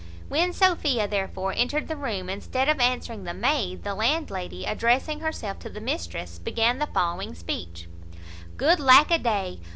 When Sophia therefore entered the room, instead of answering the maid, the landlady, addressing herself to the mistress, began the following speech: "Good lack a day!